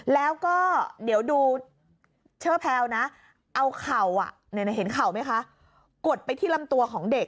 แล้วก็เดี๋ยวดูเชอร์แพลวนะเอาเข่าเห็นเข่าไหมคะกดไปที่ลำตัวของเด็ก